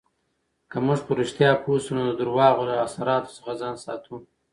که موږ په رښتیا پوه شو، نو د درواغو له اثراتو څخه ځان ساتو.